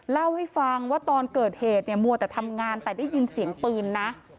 เล่าให้ฟังว่าตอนเกิดเหตุเนี่ยมัวแต่ทำงานแต่ได้ยินเสียงปืนนะ